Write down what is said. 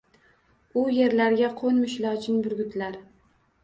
U yerlarga qoʻnmish lochin, burgutlar...